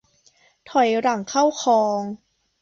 ถอยหลังเข้าคลอง